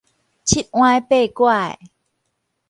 七歪八拐